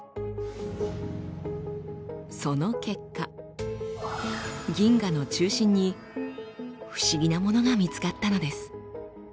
その結果銀河の中心に不思議なものが見つかったのです。